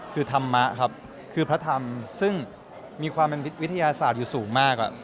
คือธรรมะครับคือพระธรรมซึ่งมีความเป็นวิทยาศาสตร์อยู่สูงมาก